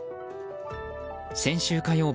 先週火曜日